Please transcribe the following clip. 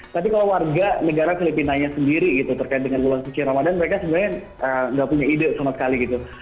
tapi kalau warga negara filipinanya sendiri gitu terkait dengan bulan suci ramadan mereka sebenarnya nggak punya ide sama sekali gitu